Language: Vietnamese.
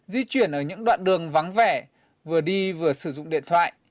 di chuyển ở những đoạn đường vắng vẻ vừa đi vừa sử dụng điện thoại